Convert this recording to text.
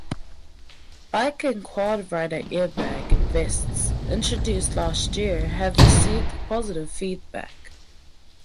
Bike and quad rider airbag vests introduced last year have received positive feedback.